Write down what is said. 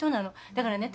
だからね